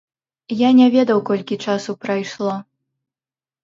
Я не ведаў, колькі часу прайшло.